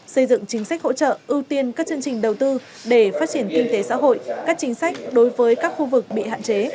xây dựng chính sách hỗ trợ ưu tiên các chương trình đầu tư để phát triển kinh tế xã hội các chính sách đối với các khu vực bị hạn chế